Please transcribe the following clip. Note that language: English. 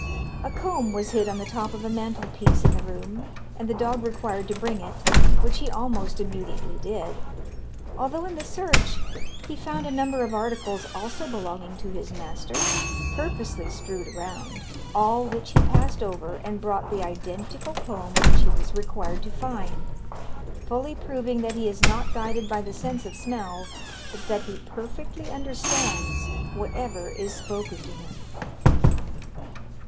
"A comb was hid on the top of a mantel piece in the room, and the dog required to bring it, which he almost immediately did, although in the search he found a number of articles, also belonging to his master, purposely strewed around, all which he passed over, and brought the identical comb which he was required to find, fully proving that he is not guided by the sense of smell, but that he perfectly understands whatever is spoken to him.